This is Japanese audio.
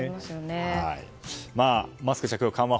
マスク着用緩和